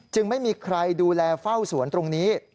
ไม่มีใครดูแลเฝ้าสวนตรงนี้